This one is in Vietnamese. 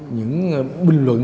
những bình luận